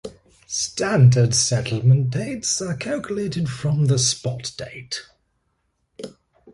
Standard settlement dates are calculated from the spot date.